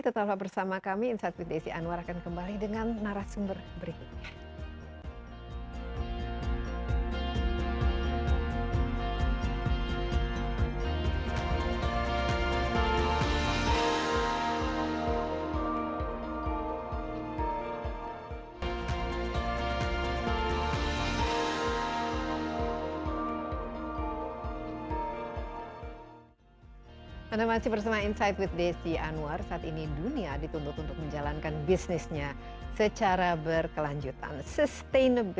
tetap bersama kami insight with desi anwar akan kembali dengan narasumber berikutnya